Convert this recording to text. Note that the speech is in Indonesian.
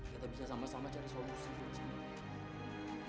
kita bisa sama sama cari solusi buat cahaya